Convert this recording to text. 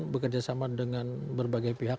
bekerjasama dengan berbagai pihak